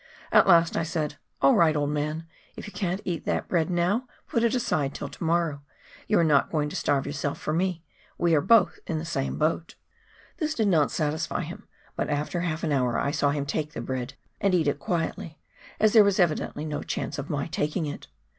At last I said, " All right, old man ; if you can't eat that bread now put it aside till to morrow ; you are not going to starve yourself for me ; we are both in the same boat." This did not satisfy him, but after half an hour I saw him take the bread and eat it quietly, as there was evidently no chance of my taking it.